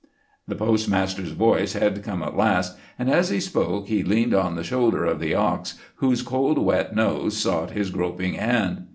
The postmaster's voice had come at last, and as he spoke he leaned on the shoulders of the ox, whose cold wet nose sought his groping hand.